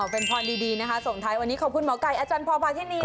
เป็นพรณดีนะคะส่งท้ายวันนี้ขอบคุณหมอกัยอพพที่นี่ค่ะ